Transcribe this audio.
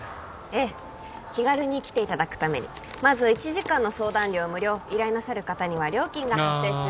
ええ気軽に来ていただくためにまず１時間の相談料無料依頼なさる方には料金がああ